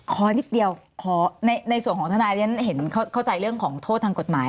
ขอนิดเดียวในส่วนของทนายฉันเห็นเข้าใจเรื่องของโทษทางกฎหมาย